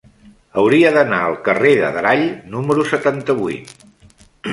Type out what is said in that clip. Hauria d'anar al carrer d'Adrall número setanta-vuit.